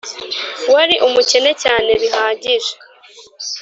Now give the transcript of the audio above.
wari umukene cyane bihagije